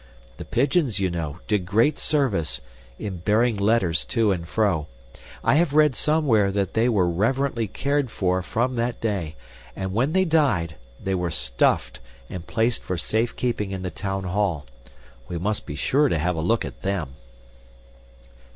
The pigeons, you know, did great service, in bearing letters to and fro. I have read somewhere that they were reverently cared for from that day, and when they died, they were stuffed and placed for safekeeping in the town hall. We must be sure to have a look at them."